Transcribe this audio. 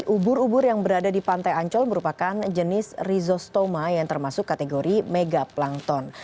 ubur ubur yang berada di pantai ancol merupakan jenis risostoma yang termasuk kategori megaplankton